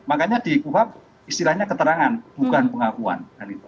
makanya di kuhap istilahnya keterangan bukan pengakuan